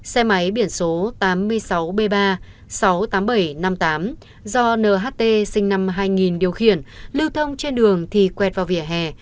xe máy biển số tám mươi sáu b ba trăm sáu mươi tám nghìn bảy trăm năm mươi tám do nht sinh năm hai nghìn điều khiển lưu thông trên đường thì quẹt vào phía hè